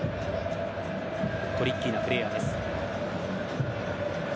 トリッキーなプレーヤーです。